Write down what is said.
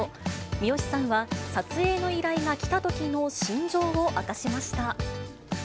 三吉さんは撮影の依頼が来たときの心情を明かしました。